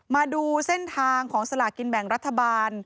มาดูเส้นทางของสลากินแบ่งรัฐบาล